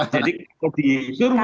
jadi kalau di surwe